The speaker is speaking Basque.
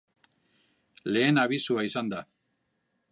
Lehen abisua izan da.